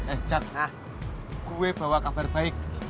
eh chad gue bawa kabar baik